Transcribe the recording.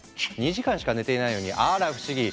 ２時間しか寝てないのにあら不思議！